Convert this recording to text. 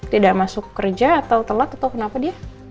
tidak masuk kerja atau telat atau kenapa dia